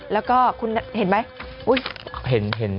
แล้วก็คุณเห็นไหมอุ๊ยเห็น